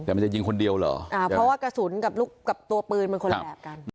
เพราะว่ากระสุนกับตัวปืนมันคนละกัน